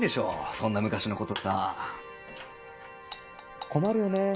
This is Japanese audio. そんな昔のことさ困るよね